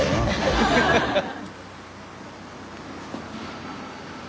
ハハハハッ！